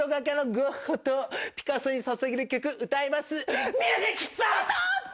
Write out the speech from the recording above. ミュージックスタート！スタート！